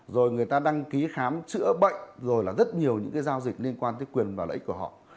rồi người ta đăng ký khám chữa bệnh rồi là rất nhiều những cái giao dịch liên quan tới quyền và lợi ích của họ